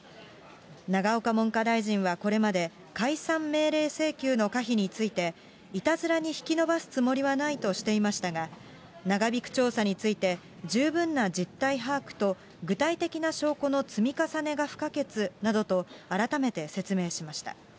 永岡文科大臣はこれまで、解散命令請求の可否について、いたずらに引き延ばすつもりはないとしていましたが、長引く調査について、十分な実態把握と、具体的な証拠の積み重ねが不可欠などと、改めて説明しました。